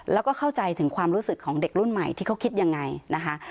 แล้วก็เข้าใจถึงความรู้สึกของเด็กรุ่นใหม่ที่เขาคิดยังไงนะคะ